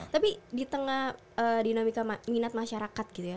tapi di tengah dinamika minat masyarakat gitu ya